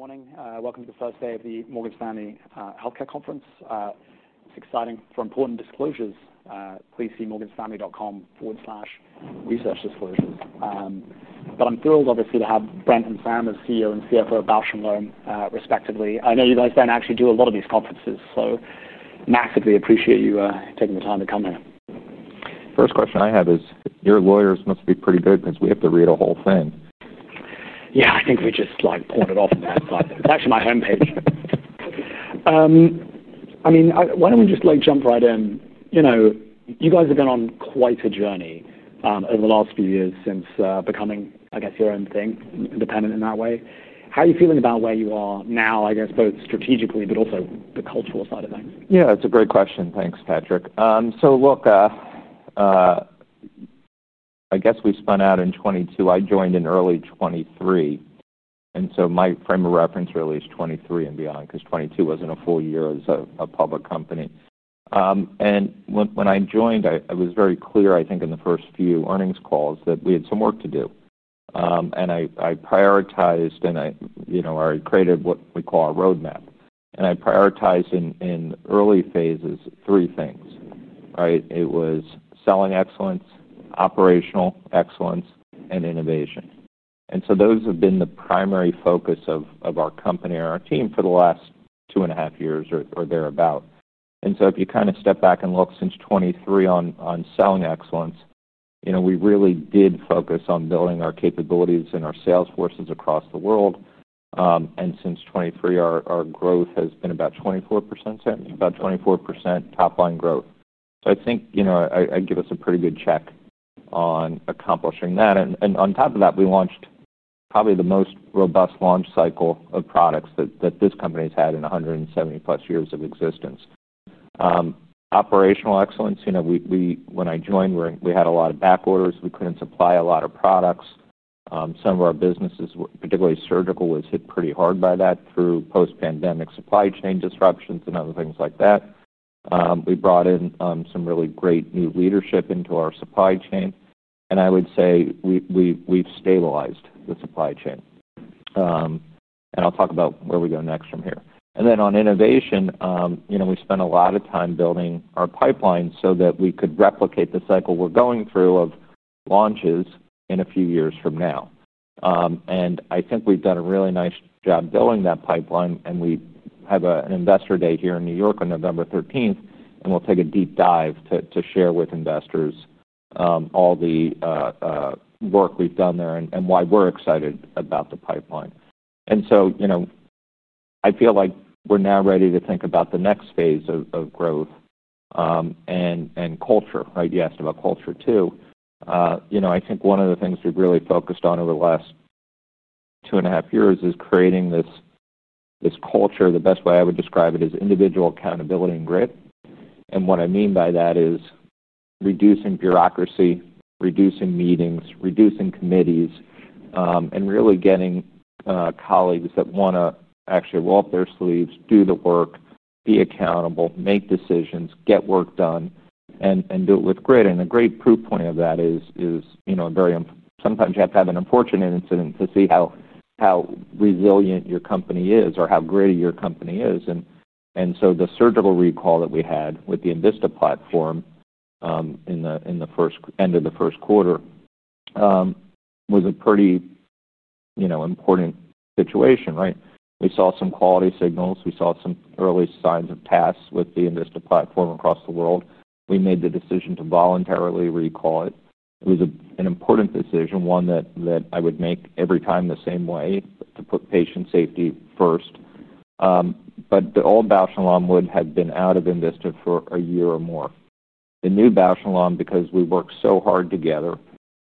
Morning. Welcome to the first day of the Morgan Stanley Healthcare Conference. It's exciting. For important disclosures, please see MorganStanley.com/researchdisclosures. I'm thrilled, obviously, to have Brent and Sam as CEO and CFO of Bausch + Lomb, respectively. I know you guys don't actually do a lot of these conferences, so massively appreciate you taking the time to come here. First question I have is, your lawyers must be pretty big, because we have to read a whole thing. Yeah, I think we just pointed off on the outside. It's actually my home page. I mean, why don't we just jump right in? You know, you guys have been on quite a journey over the last few years since becoming, I guess, your own thing, independent in that way. How are you feeling about where you are now, I guess, both strategically but also the cultural side of things? Yeah, it's a great question. Thanks, Patrick. Look, I guess we spun out in 2022. I joined in early 2023. My frame of reference really is 2023 and beyond because 2022 wasn't a full year as a public company. When I joined, it was very clear, I think, in the first few earnings calls that we had some work to do. I prioritized and I created what we call a roadmap. I prioritized in early phases three things, right? It was selling excellence, operational excellence, and innovation. Those have been the primary focus of our company or our team for the last two and a half years or thereabout. If you kind of step back and look since 2023 on selling excellence, you know we really did focus on building our capabilities and our sales forces across the world. Since 2023, our growth has been about 24%, about 24% top line growth. I think you know I'd give us a pretty good check on accomplishing that. On top of that, we launched probably the most robust launch cycle of products that this company has had in 170 plus years of existence. Operational excellence, you know, when I joined, we had a lot of back orders. We couldn't supply a lot of products. Some of our businesses, particularly surgical, was hit pretty hard by that through post-pandemic supply chain disruptions and other things like that. We brought in some really great new leadership into our supply chain. I would say we've stabilized the supply chain. I'll talk about where we go next from here. On innovation, you know we spent a lot of time building our pipeline so that we could replicate the cycle we're going through of launches in a few years from now. I think we've done a really nice job building that pipeline. We have an investor day here in New York on November 13th. We'll take a deep dive to share with investors all the work we've done there and why we're excited about the pipeline. You know I feel like we're now ready to think about the next phase of growth and culture, right? You asked about culture too. I think one of the things we've really focused on over the last two and a half years is creating this culture. The best way I would describe it is individual accountability and grit. What I mean by that is reducing bureaucracy, reducing meetings, reducing committees, and really getting colleagues that want to actually roll up their sleeves, do the work, be accountable, make decisions, get work done, and do it with grit. A great proof point of that is, sometimes you have to have an unfortunate incident to see how resilient your company is or how gritty your company is. The surgical recall that we had with the Invista platform at the end of the first quarter was a pretty important situation. We saw some quality signals. We saw some early signs of issues with the Invista platform across the world. We made the decision to voluntarily recall it. It was an important decision, one that I would make every time the same way to put patient safety first. The old Bausch + Lomb would have been out of Invista for a year or more. The new Bausch + Lomb, because we worked so hard together,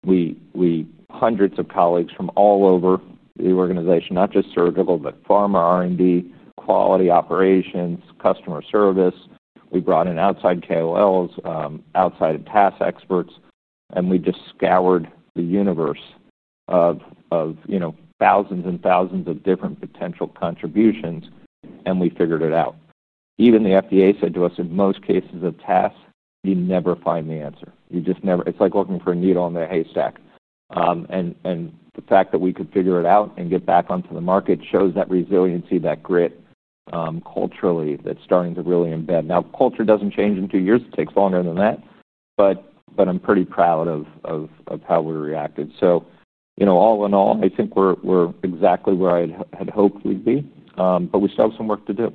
we had hundreds of colleagues from all over the organization, not just surgical, but pharma, R&D, quality operations, customer service. We brought in outside KOLs, outside task experts. We just scoured the universe of thousands and thousands of different potential contributions, and we figured it out. Even the FDA said to us, in most cases of these tasks, you never find the answer. You just never. It's like looking for a needle in the haystack. The fact that we could figure it out and get back onto the market shows that resiliency, that grit, culturally, that's starting to really embed. Culture doesn't change in two years. It takes longer than that. I'm pretty proud of how we reacted. All in all, I think we're exactly where I had hoped we'd be. We still have some work to do.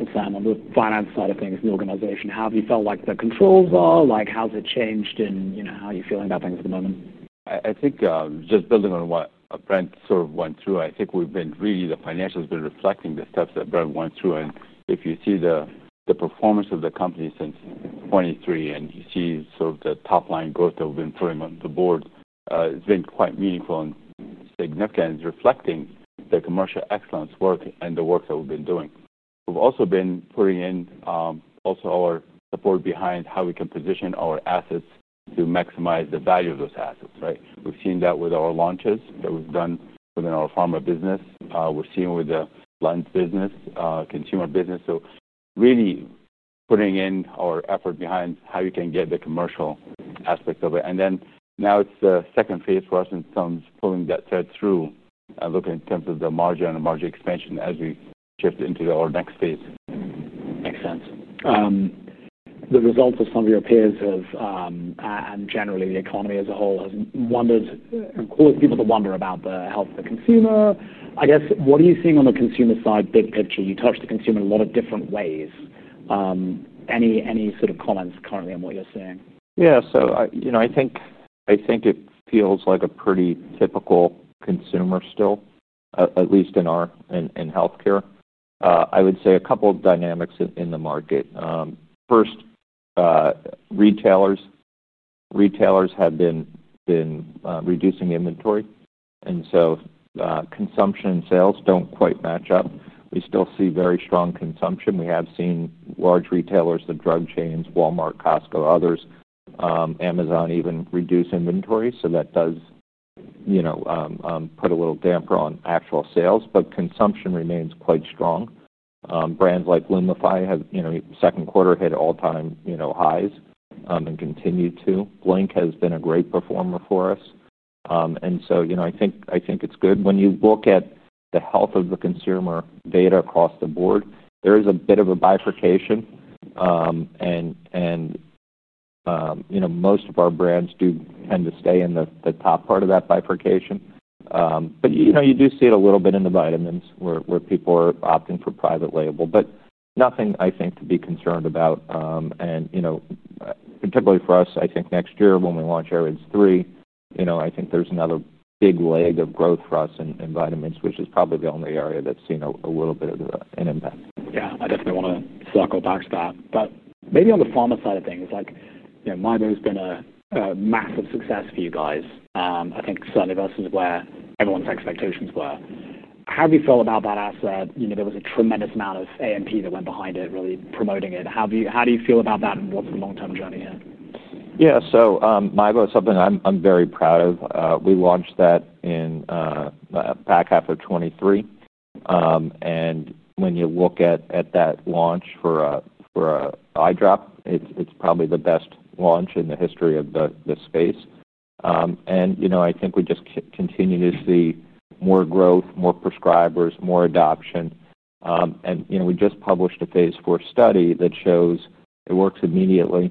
Exactly. On the finance side of things in the organization, how have you felt like the controls are? How's it changed? You know, how are you feeling about things at the moment? I think just building on what Brent sort of went through, I think we've been really, the financials have been reflecting the steps that Brent went through. If you see the performance of the company since 2023 and you see sort of the top line growth that we've been putting on the board, it's been quite meaningful and significant. It's reflecting the commercial excellence work and the work that we've been doing. We've also been putting in also our support behind how we can position our assets to maximize the value of those assets. Right? We've seen that with our launches that we've done within our pharma business. We're seeing with the lunch business, consumer business, really putting in our effort behind how you can get the commercial aspect of it. Now it's the second phase for us in terms of pulling that third through, looking in terms of the margin and the margin expansion as we shift into our next phase. Makes sense. The results of some of your peers and generally the economy as a whole have caused people to wonder about the health of the consumer. I guess, what are you seeing on the consumer side, big picture? You touch the consumer in a lot of different ways. Any sort of comments currently on what you're seeing? Yeah, so I think it feels like a pretty typical consumer still, at least in healthcare. I would say a couple of dynamics in the market. First, retailers have been reducing inventory, and so consumption and sales don't quite match up. We still see very strong consumption. We have seen large retailers, the drug chains, Walmart, Costco, others, Amazon even, reduce inventory. That does put a little damper on actual sales, but consumption remains quite strong. Brands like Lumify have, in the second quarter, hit all-time highs and continue to. Blink has been a great performer for us. I think it's good. When you look at the health of the consumer data across the board, there is a bit of a bifurcation. Most of our brands do tend to stay in the top part of that bifurcation. You do see it a little bit in the vitamins where people are opting for private label, but nothing, I think, to be concerned about. Particularly for us, I think next year when we launch AREDS3, I think there's another big leg of growth for us in vitamins, which is probably the only area that's seen a little bit of an impact. Yeah, I definitely want to circle back to that. Maybe on the pharma side of things, you know, Miebo's been a massive success for you guys. I think certainly versus where everyone's expectations were. How have you felt about that asset? You know, there was a tremendous amount of AMP that went behind it, really promoting it. How do you feel about that and what's the long-term journey here? Yeah, so Miebo is something I'm very proud of. We launched that in the back half of 2023. When you look at that launch for an eye drop, it's probably the best launch in the history of the space. I think we just continue to see more growth, more prescribers, more adoption. We just published a phase 4 study that shows it works immediately,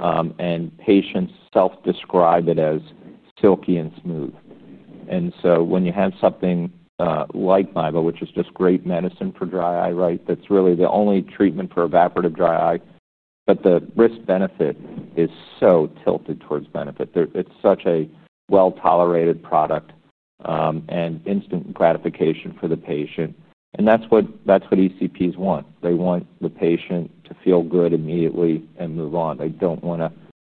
and patients self-describe it as silky and smooth. When you have something like Miebo, which is just great medicine for dry eye, that's really the only treatment for evaporative dry eye, but the risk-benefit is so tilted towards benefit. It's such a well-tolerated product and instant gratification for the patient. That's what ECPs want. They want the patient to feel good immediately and move on. They don't want to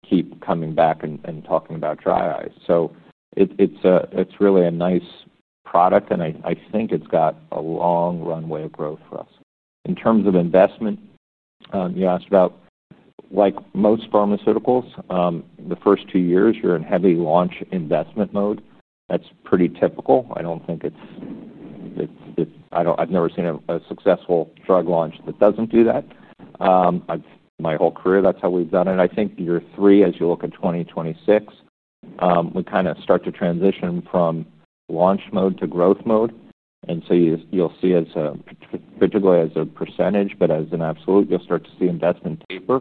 keep coming back and talking about dry eyes. It's really a nice product, and I think it's got a long runway of growth for us. In terms of investment, you asked about, like most pharmaceuticals, the first two years, you're in heavy launch investment mode. That's pretty typical. I don't think it's, I don't, I've never seen a successful drug launch that doesn't do that. My whole career, that's how we've done it. I think year three, as you look at 2026, we kind of start to transition from launch mode to growth mode. You'll see it particularly as a percentage, but as an absolute, you'll start to see investment taper.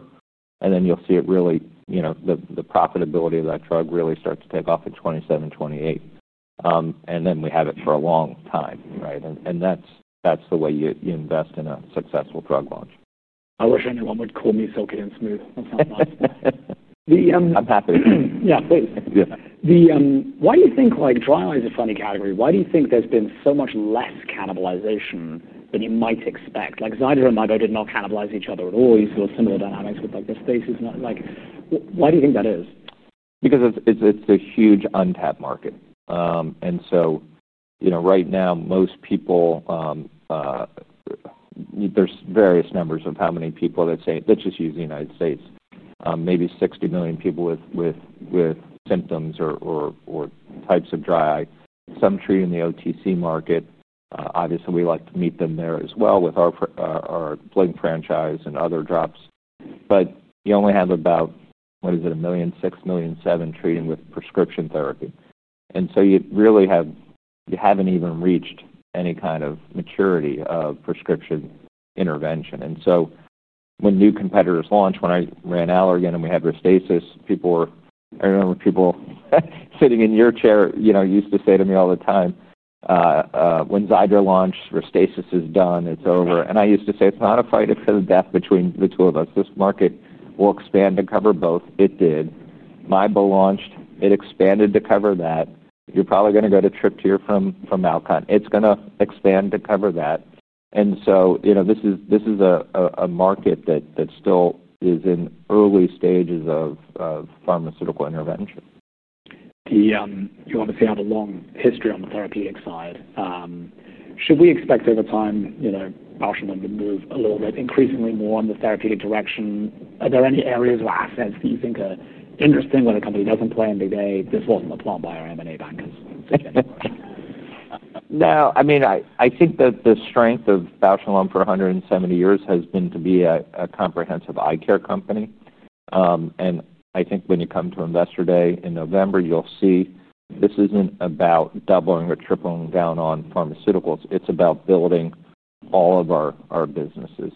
Then you'll see it really, you know, the profitability of that drug really starts to take off in 2027, 2028. We have it for a long time, right? That's the way you invest in a successful drug launch. I wish anyone would call me silky and smooth. I'm happy. Yeah, please. Why do you think, like, dry eyes are a funny category? Why do you think there's been so much less cannibalization than you might expect? Like, Xyzal and Miebo did not cannibalize each other at all. You saw similar dynamics with, like, the spaces. Why do you think that is? Because it's a huge untapped market. Right now, most people, there's various numbers of how many people that say, let's just use the United States, maybe 60 million people with symptoms or types of dry eye. Some treat in the OTC market. Obviously, we like to meet them there as well with our Blink franchise and other drops. You only have about, what is it, a million, six million, seven treating with prescription therapy. You really have, you haven't even reached any kind of maturity of prescription intervention. When new competitors launch, when I ran Allergan and we had Restasis, I remember people sitting in your chair used to say to me all the time, when Xyzal launched, Restasis is done, it's over. I used to say it's not a fight of death between the two of us. This market will expand to cover both. It did. Miebo launched, it expanded to cover that. You're probably going to go to Tripteer from Alcon. It's going to expand to cover that. This is a market that still is in early stages of pharmaceutical intervention. Do you want to see out a long history on the therapeutic side? Should we expect over time, you know, Bausch + Lomb to move a little bit increasingly more in the therapeutic direction? Are there any areas or assets that you think are interesting where the company doesn't play in the game? This wasn't the plan by our M&A bankers. No, I mean, I think that the strength of Bausch + Lomb for 170 years has been to be a comprehensive eye care company. I think when you come to Investor Day in November, you'll see this isn't about doubling or tripling down on pharmaceuticals. It's about building all of our businesses.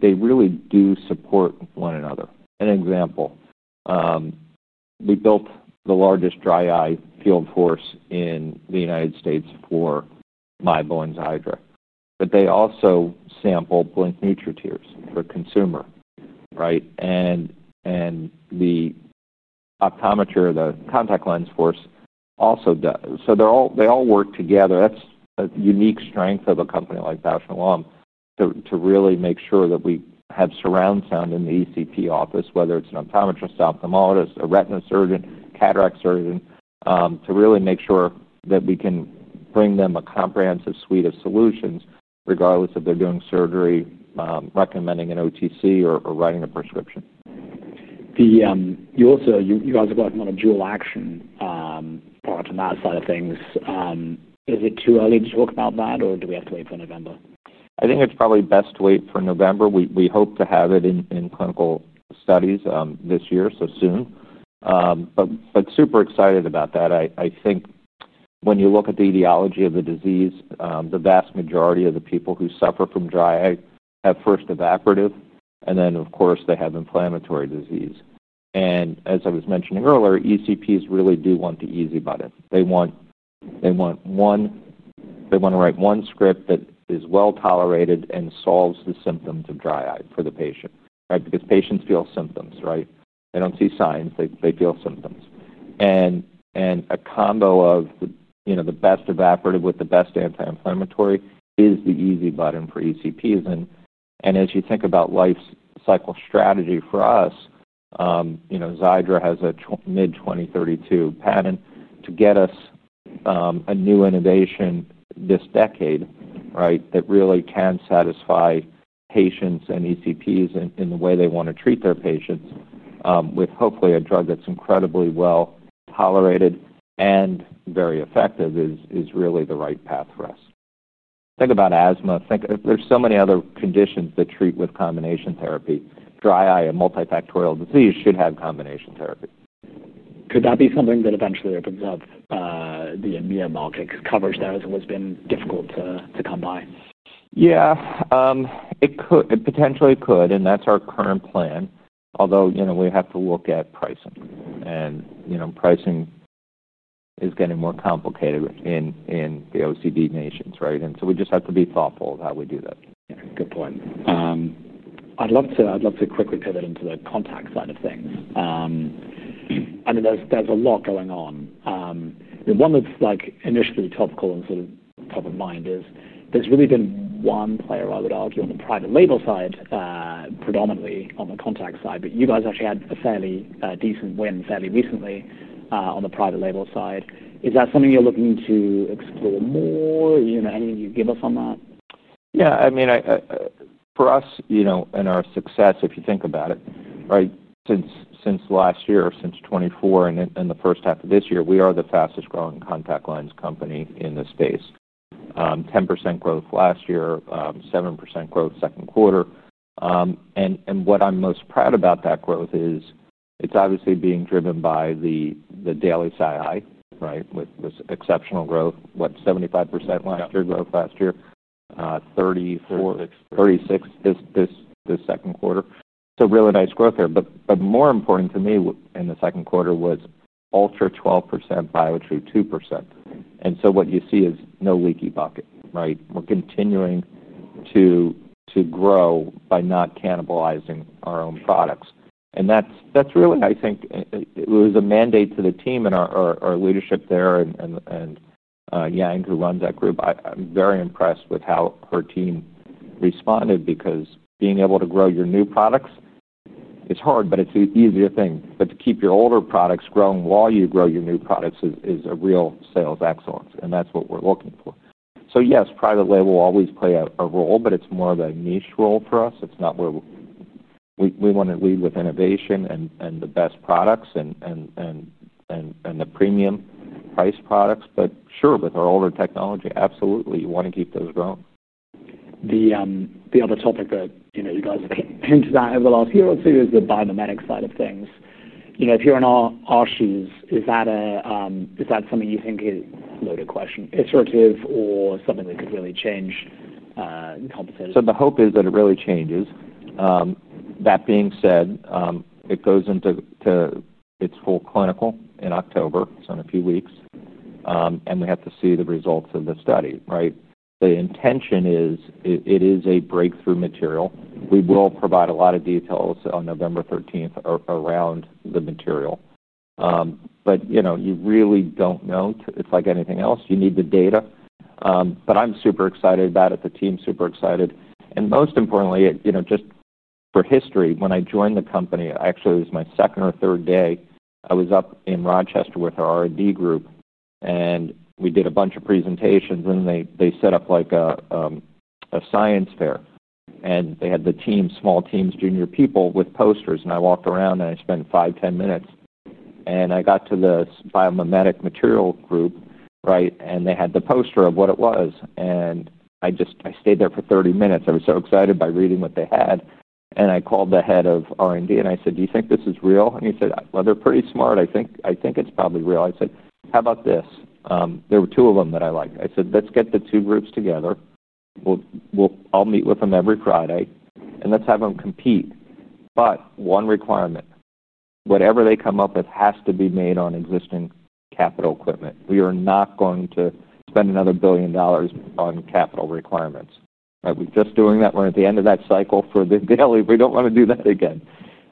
They really do support one another. An example, we built the largest dry eye field force in the United States for Miebo and Xyzal. They also sample Blink NutraTears for consumer, right? The optometry, the contact lens force also does. They all work together. That's a unique strength of a company like Bausch + Lomb to really make sure that we have surround sound in the ECP office, whether it's an optometrist, ophthalmologist, a retina surgeon, cataract surgeon, to really make sure that we can bring them a comprehensive suite of solutions regardless of their doing surgery, recommending an OTC, or writing a prescription. You also, you guys are working on a dual-action product on that side of things. Is it too early to talk about that, or do we have to wait for November? I think it's probably best to wait for November. We hope to have it in clinical studies this year, so soon. I'm super excited about that. I think when you look at the etiology of the disease, the vast majority of the people who suffer from dry eye have first evaporative, and then, of course, they have inflammatory disease. As I was mentioning earlier, ECPs really do want the easy button. They want to write one script that is well tolerated and solves the symptoms of dry eye for the patient. Right? Because patients feel symptoms. Right? They don't see signs, they feel symptoms. A combo of the best evaporative with the best anti-inflammatory is the easy button for ECPs. As you think about life cycle strategy for us, Xyzal has a mid-2032 patent to get us a new innovation this decade that really can satisfy patients and ECPs in the way they want to treat their patients, with hopefully a drug that's incredibly well tolerated and very effective is really the right path for us. Think about asthma. There are so many other conditions that treat with combination therapy. Dry eye and multifactorial disease should have combination therapy. Could that be something that eventually opens up the EMEA market? Because coverage there has always been difficult to combine. Yeah, it could, it potentially could, and that's our current plan. Although, you know, we have to look at pricing. Pricing is getting more complicated in the OECD nations, right? We just have to be thoughtful of how we do that. Good point. I'd love to quickly pivot into the contact side of things. I mean, there's a lot going on. The one that's like initially topical and sort of top of mind is there's really been one player, I would argue, on the private label side, predominantly on the contact side. You guys actually had a fairly decent win fairly recently on the private label side. Is that something you're looking to explore more? Anything you can give us on that? Yeah, I mean, for us, in our success, if you think about it, right, since last year, since 2024, and in the first half of this year, we are the fastest growing contact lens company in the space. 10% growth last year, 7% growth second quarter. What I'm most proud about that growth is it's obviously being driven by the daily CI, right, with this exceptional growth. What, 75% growth last year, 36% this second quarter. Really nice growth there. More important to me in the second quarter was Ultra 12%, biometry 2%. What you see is no leaky bucket, right? We're continuing to grow by not cannibalizing our own products. That's really, I think, it was a mandate to the team and our leadership there. Yang, who runs that group, I'm very impressed with how her team responded because being able to grow your new products, it's hard, but it's an easier thing. To keep your older products growing while you grow your new products is a real sales excellence. That's what we're looking for. Yes, private label will always play a role, but it's more of a niche role for us. It's not where we want to lead with innovation and the best products and the premium price products. Sure, with our older technology, absolutely, you want to keep those growing. The other topic that you guys have hinted at over the last year or two is the biomimetic side of things. You know, if you're in our shoes, is that something you think is a loaded question, iterative, or something that could really change competition? The hope is that it really changes. That being said, it goes into its full clinical in October, so in a few weeks. We have to see the results of the study, right? The intention is it is a breakthrough material. We will provide a lot of details on November 13th around the material. You really don't know. It's like anything else. You need the data. I'm super excited about it. The team's super excited. Most importantly, just for history, when I joined the company, actually, it was my second or third day. I was up in Rochester with our R&D group. We did a bunch of presentations. They set up like a science fair. They had the team, small teams, junior people with posters. I walked around and I spent five, ten minutes. I got to the biomimetic material group, right? They had the poster of what it was. I stayed there for 30 minutes. I was so excited by reading what they had. I called the head of R&D and I said, do you think this is real? He said, they're pretty smart. I think it's probably real. I said, how about this? There were two of them that I liked. I said, let's get the two groups together. I'll meet with them every Friday. Let's have them compete. One requirement, whatever they come up with has to be made on existing capital equipment. We are not going to spend another $1 billion on capital requirements. We're just doing that. We're at the end of that cycle for the daily. We don't want to do that again.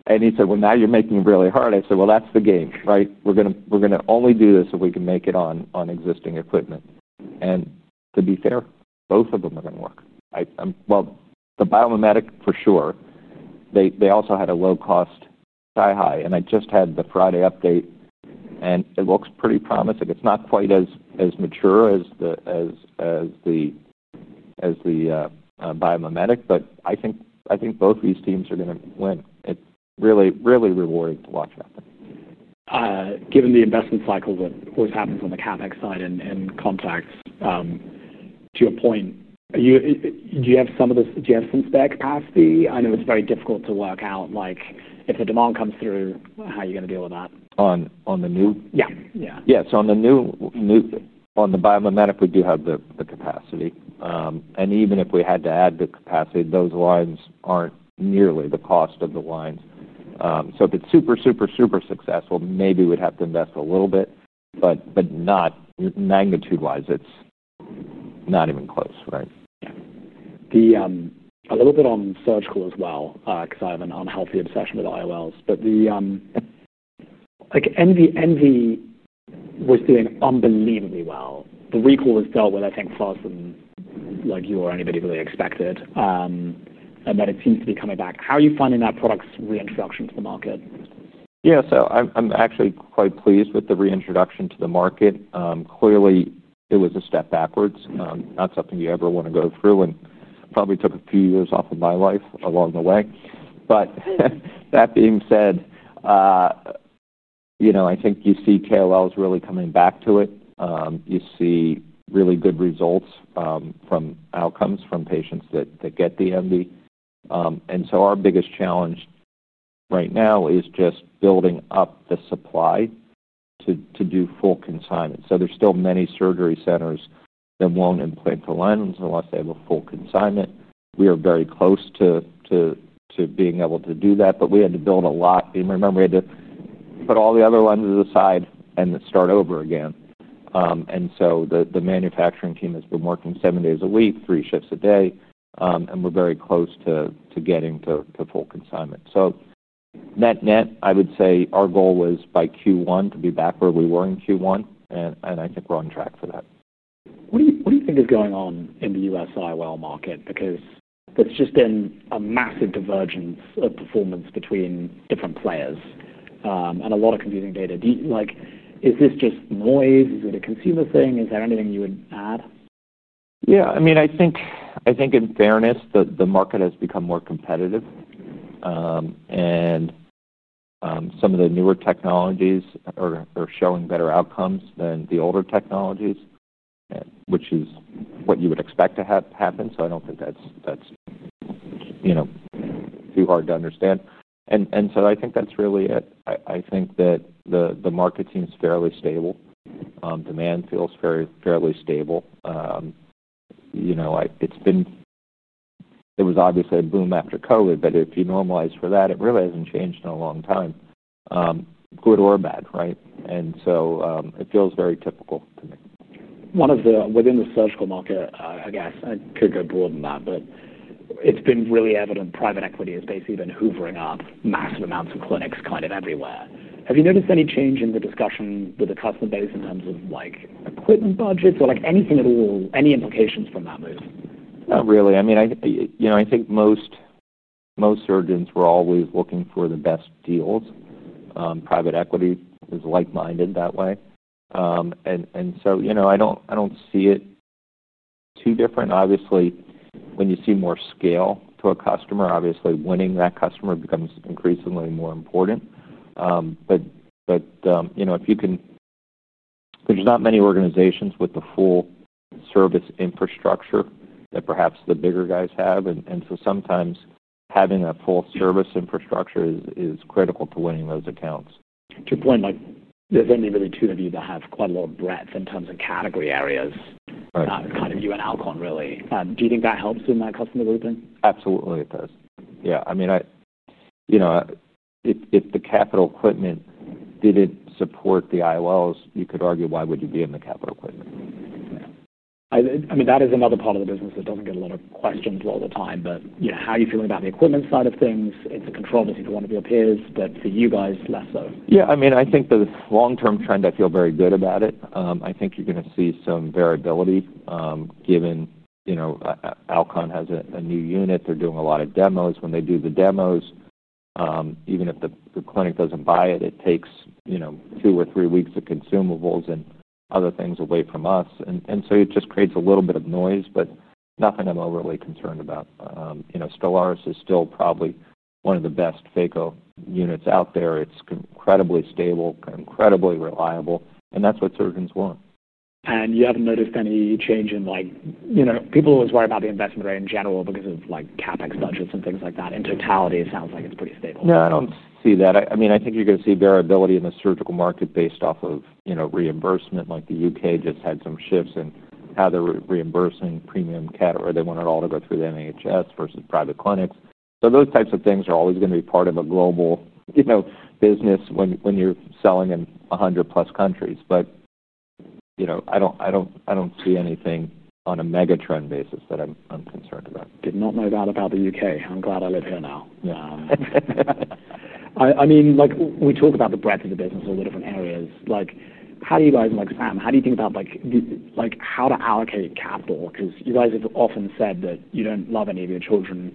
He said, now you're making it really hard. I said, that's the game, right? We're going to only do this if we can make it on existing equipment. To be fair, both of them are going to work. The biomimetic for sure. They also had a low-cost CI high. I just had the Friday update. It looks pretty promising. It's not quite as mature as the biomimetic. I think both of these teams are going to win. It really, really rewards watching them. Given the investment cycle that always happens on the CapEx side and contacts, to a point, do you have some of the adjacent space capacity? I know it's very difficult to work out. If the demand comes through, how are you going to deal with that? On the new? Yeah. On the new, on the biomimetic, we do have the capacity. Even if we had to add the capacity, those lines aren't nearly the cost of the lines. If it's super, super, super successful, maybe we'd have to invest a little bit, but not magnitude-wise, it's not even close. Right? A little bit on surgical as well, because I have an unhealthy obsession with IOLs. The NV was doing unbelievably well. The recall was dealt with, I think, faster than you or anybody really expected. It seems to be coming back. How are you finding that product's reintroduction to the market? Yeah, so I'm actually quite pleased with the reintroduction to the market. Clearly, it was a step backwards, not something you ever want to go through and probably took a few years off of my life along the way. That being said, you know, I think you see KOLs really coming back to it. You see really good results from outcomes from patients that get the MD. Our biggest challenge right now is just building up the supply to do full consignment. There are still many surgery centers that won't implant the lines unless they have a full consignment. We are very close to being able to do that. We had to build a lot. You remember, we had to put all the other ones aside and start over again. The manufacturing team has been working seven days a week, three shifts a day. We're very close to getting to full consignment. Net-net, I would say our goal was by Q1 to be back where we were in Q1, and I think we're on track for that. What do you think is going on in the U.S. IOL market? Because there's just been a massive divergence of performance between different players and a lot of confusing data. Do you, like, is this just noise? Is it a consumer thing? Is there anything you would add? Yeah, I mean, I think in fairness, the market has become more competitive. Some of the newer technologies are showing better outcomes than the older technologies, which is what you would expect to have happen. I don't think that's too hard to understand. I think that's really it. I think that the market seems fairly stable. Demand feels fairly stable. You know, there was obviously a boom after COVID, but if you normalize for that, it really hasn't changed in a long time, good or bad. It feels very typical to me. Within the surgical market, I guess I could go broader than that, but it's been really evident private equity has basically been hoovering up massive amounts of clinics kind of everywhere. Have you noticed any change in the discussion with the customer base in terms of like equipment budgets or like anything at all, any implications from that move? Not really. I mean, I think most surgeons were always looking for the best deals. Private equity is like-minded that way. I don't see it too different. Obviously, when you see more scale to a customer, winning that customer becomes increasingly more important. If you can, there's not many organizations with the full service infrastructure that perhaps the bigger guys have. Sometimes having a full service infrastructure is critical to winning those accounts. To your point, there's only really two of you that have quite a lot of breadth in terms of category areas, right, kind of you and Alcon really. Do you think that helps in that customer group then? Absolutely, it does. Yeah, I mean, if the capital equipment didn't support the IOLs, you could argue why would you be in the capital equipment? That is another part of the business that doesn't get a lot of questions all the time, but you know, how are you feeling about the equipment side of things? It's a control that's either one of your peers, but for you guys, less so. Yeah, I mean, I think the long-term trend, I feel very good about it. I think you're going to see some variability, given, you know, Alcon has a new unit. They're doing a lot of demos. When they do the demos, even if the clinic doesn't buy it, it takes, you know, two or three weeks of consumables and other things away from us. It just creates a little bit of noise, but nothing I'm overly concerned about. Stellaris is still probably one of the best phaco units out there. It's incredibly stable, incredibly reliable. That's what surgeons want. You haven't noticed any change in, like, you know, people always worry about the investment rate in general because of, like, CapEx budgets and things like that. In totality, it sounds like it's pretty stable. No, I don't see that. I think you're going to see variability in the surgical market based off of reimbursement. The UK just had some shifts in how they're reimbursing premium cat, or they want it all to go through the NHS versus private clinics. Those types of things are always going to be part of a global business when you're selling in 100+ countries. I don't see anything on a mega trend basis that I'm concerned about. Did not know that about the UK. I'm glad I live here now. I mean, like we talk about the breadth of the business, all the different areas. How do you guys, and like Sam, how do you think about how to allocate capital? You guys have often said that you don't love any of your children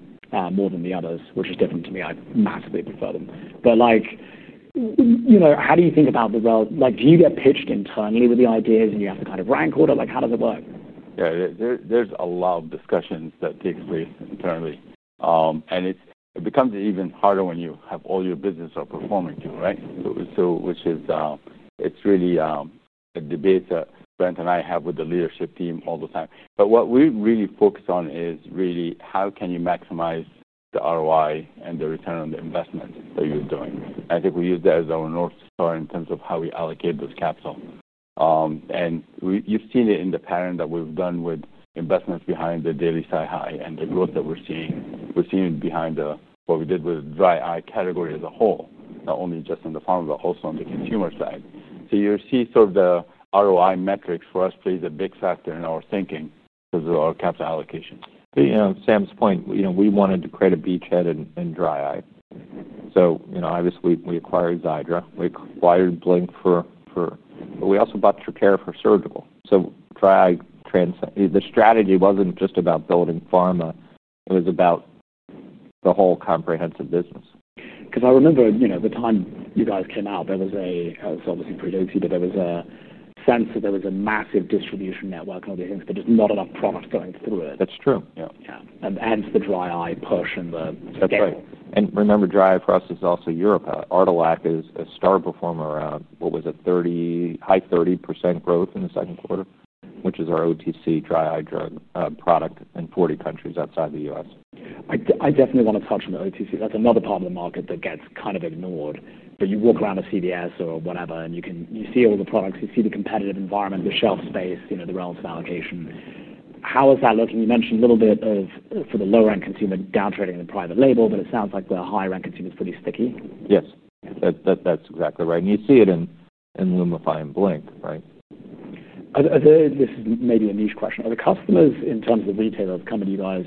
more than the others, which is different to me. I massively prefer them. How do you think about the, do you get pitched internally with the ideas and you have to kind of rank order? How does it work? Yeah, there's a lot of discussions that take place internally. It becomes even harder when you have all your businesses performing too, right? It's really a debate that Brent and I have with the leadership team all the time. What we really focus on is really how can you maximize the ROI and the return on the investment that you're doing. I think we use that as our North Star in terms of how we allocate those capital. You've seen it in the pattern that we've done with investments behind the daily CI and the growth that we're seeing. We're seeing it behind what we did with the dry eye category as a whole, not only just in the pharma, but also on the consumer side. You see the ROI metrics for us play a big factor in our thinking because of our capital allocations. You know, Sam's point, we wanted to create a beachhead in dry eye. Obviously, we acquired Xyzal. We acquired Blink, but we also bought Tricare for surgical. Dry eye transition, the strategy wasn't just about building pharma. It was about the whole comprehensive business. Because I remember, you know, the time you guys came out, it was obviously pretty OC, but there was a sense that there was a massive distribution network and all these things, but just not enough product going through it. That's true. Yeah, hence the dry eye push in the surgical. That's right. Remember, dry eye for us is also Europe. Artilac is a star performer, around, what was it, 30%, high 30% growth in the second quarter, which is our OTC dry eye drug product in 40 countries outside the U.S. I definitely want to touch on the OTC. That's another part of the market that gets kind of ignored. You walk around a CVS or whatever, and you can see all the products, you see the competitive environment, the shelf space, the relative allocation. How is that looking? You mentioned a little bit of, for the low-end consumer, down trading in the private label, but it sounds like the high-end consumer is pretty sticky. Yes, that's exactly right. You see it in Lumify and Blink, right? This is maybe a niche question. Are the customers, in terms of retailers coming to you guys,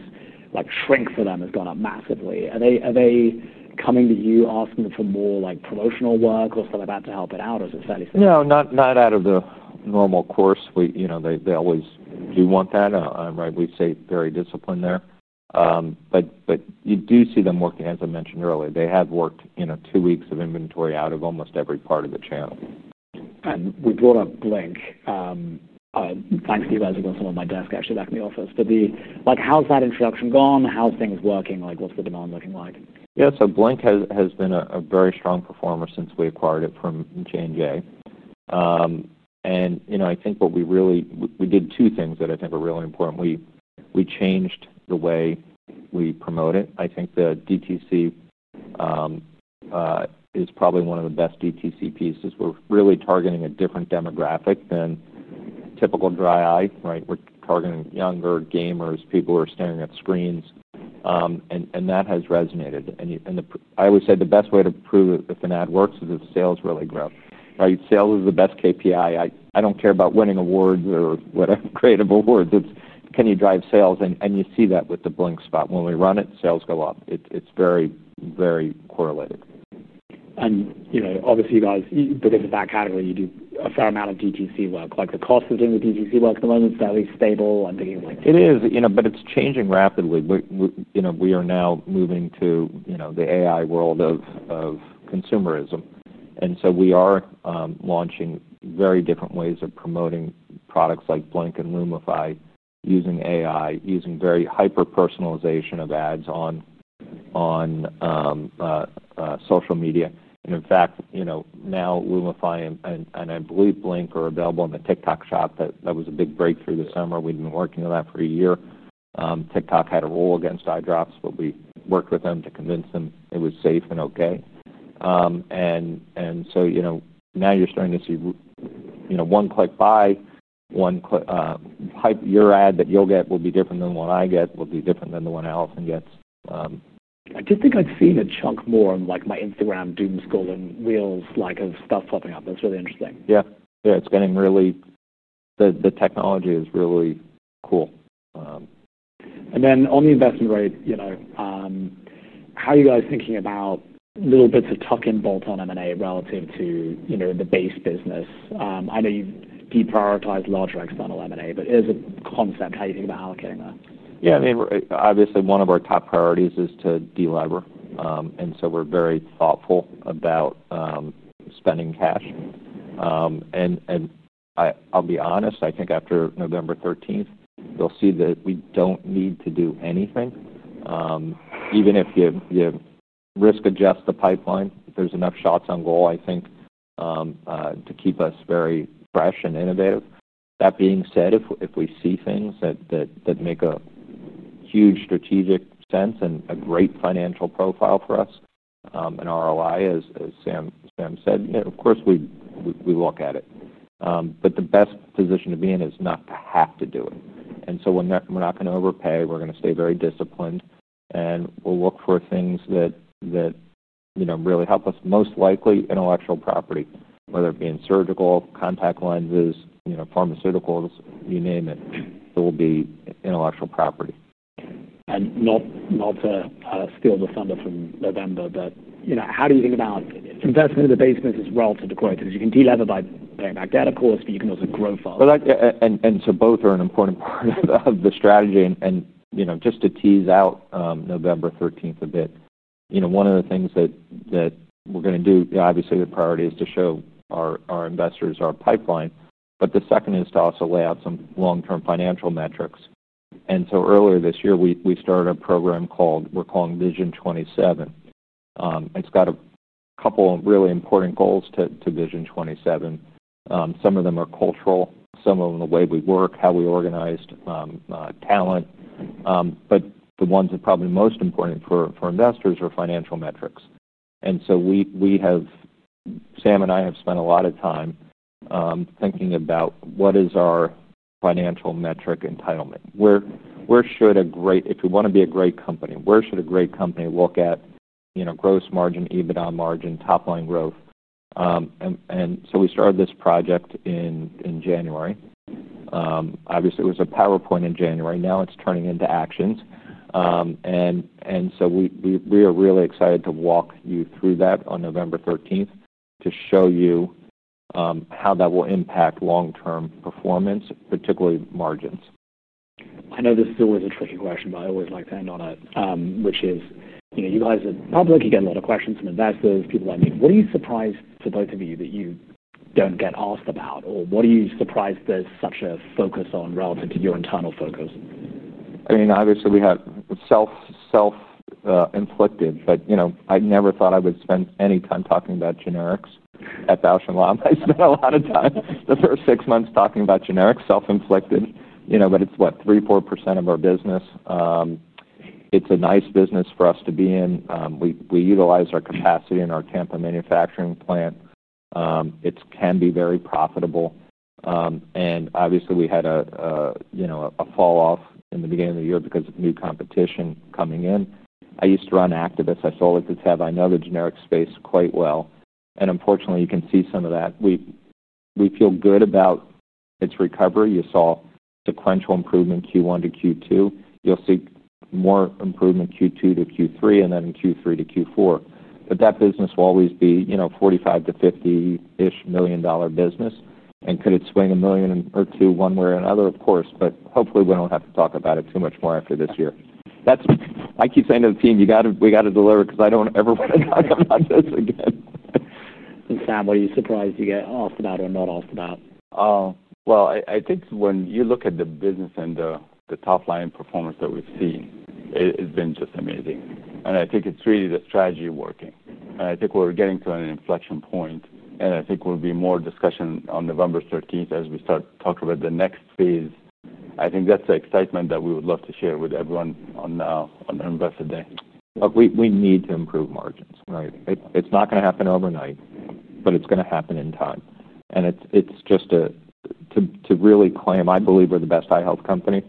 like shrink for them has gone up massively? Are they coming to you asking for more like promotional work or stuff like that to help it out, or is it fairly sticky? No, not out of the normal course. You know, they always do want that. I'm right. We stay very disciplined there, but you do see them working, as I mentioned earlier. They have worked two weeks of inventory out of almost every part of the channel. We brought up Blink. Thanks to you guys, I've got some on my desk, actually, back in the office. How's that introduction gone? How's things working? What's the demand looking like? Yeah, so Blink has been a very strong performer since we acquired it from J&J. I think what we really, we did two things that I think are really important. We changed the way we promote it. I think the DTC is probably one of the best DTC pieces. We're really targeting a different demographic than typical dry eye, right? We're targeting younger gamers, people who are staring at screens. That has resonated. I always say the best way to prove if an ad works is if sales really grow, right? Sales is the best KPI. I don't care about winning awards or whatever creative award. Can you drive sales? You see that with the Blink spot. When we run it, sales go up. It's very, very correlated. You know, obviously you guys, because of that category, you do a fair amount of DTC work. The cost of doing the DTC work at the moment is fairly stable. I'm thinking of like. It is, you know, but it's changing rapidly. We are now moving to, you know, the AI world of consumerism. We are launching very different ways of promoting products like Blink and Lumify, using AI, using very hyper-personalization of ads on social media. In fact, now Lumify and I believe Blink are available on the TikTok shop. That was a big breakthrough this summer. We've been working on that for a year. TikTok had a rule against eyedrops, but we worked with them to convince them it was safe and OK. Now you're starting to see, you know, one click buy, one click, your ad that you'll get will be different than the one I get, will be different than the one Allison gets. I do think I've seen a chunk more on like my Instagram doomscrolling reels, like of stuff popping up. That's really interesting. Yeah, it's getting really, the technology is really cool. On the investment rate, you know, how are you guys thinking about little bits of tuck-in, bolt-on M&A relative to the base business? I know you've deprioritized large Rex bundle M&A, but as a concept, how do you think about allocating that? Yeah, I mean, obviously one of our top priorities is to deliver. We're very thoughtful about spending cash. I'll be honest, I think after November 13th, they'll see that we don't need to do anything. Even if you risk adjust the pipeline, there's enough shots on goal, I think, to keep us very fresh and innovative. That being said, if we see things that make a huge strategic sense and a great financial profile for us and ROI, as Sam said, you know, of course we look at it. The best position to be in is not to have to do it. We're not going to overpay. We're going to stay very disciplined. We'll look for things that, you know, really help us, most likely intellectual property, whether it be in surgical, contact lenses, pharmaceuticals, you name it. It will be intellectual property. Not to steal the thunder from November, but you know, how do you think about investing in the base business relative to growth? You can deliver by paying back debt, of course, but you can also grow farther. Both are an important part of the strategy. Just to tease out November 13th a bit, one of the things that we're going to do, obviously the priority is to show our investors our pipeline. The second is to also lay out some long-term financial metrics. Earlier this year, we started a program called Vision 27. It's got a couple of really important goals to Vision 27. Some of them are cultural, some of them the way we work, how we organized talent. The ones that are probably most important for investors are financial metrics. Sam and I have spent a lot of time thinking about what is our financial metric entitlement. Where should a great, if you want to be a great company, where should a great company look at, you know, gross margin, EBITDA margin, top line growth? We started this project in January. Obviously, it was a PowerPoint in January. Now it's turning into actions. We are really excited to walk you through that on November 13th to show you how that will impact long-term performance, particularly margins. I know this is always a tricky question, but I always like to end on it, which is, you know, you guys are probably looking at a lot of questions from investors, people like me. What are you surprised, to both of you, that you don't get asked about? Or what are you surprised there's such a focus on relative to your internal focus? I mean, obviously, we have self-inflicted, but I never thought I would spend any time talking about generics at Bausch + Lomb. I spent a lot of time the first six months talking about generics, self-inflicted, but it's what, 3%, 4% of our business. It's a nice business for us to be in. We utilize our capacity in our Tampa manufacturing plant. It can be very profitable. Obviously, we had a fall off in the beginning of the year because of new competition coming in. I used to run Actavis. I feel like I know the generic space quite well. Unfortunately, you can see some of that. We feel good about its recovery. You saw sequential improvement Q1 to Q2. You'll see more improvement Q2 to Q3 and then Q3 to Q4. That business will always be a $45 to $50 million business. Could it swing a million or two one way or another? Of course. Hopefully, we don't have to talk about it too much more after this year. I keep saying to the team, we got to deliver because I don't ever want to talk about this again. Sam, what are you surprised to get asked about or not asked about? I think when you look at the business and the top line performance that we've seen, it's been just amazing. I think it's really the strategy working, and I think we're getting to an inflection point. I think there will be more discussion on November 13th as we start talking about the next phase. That's the excitement that we would love to share with everyone on their Investor Day. Look, we need to improve margins. It's not going to happen overnight, but it's going to happen in time. It's just to really claim, I believe we're the best eye health company.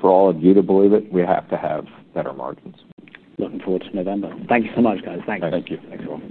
For all of you to believe it, we have to have better margins. Looking forward to November. Thank you so much, guys. Thanks. Thank you.